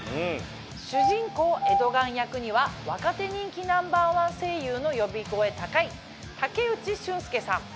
主人公エドガン役には若手人気ナンバーワン声優の呼び声高い武内駿輔さん。